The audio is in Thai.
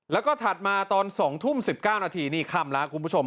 แล้วก็ถัดมาตอน๒ทุ่ม๑๙นาทีนี่ค่ำแล้วคุณผู้ชม